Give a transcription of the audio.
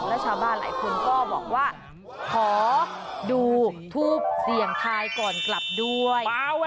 และชาวบ้านหลายคนก็บอกว่าหน้าหอดูธูปเหรียญไทยก่อนกลับด้วย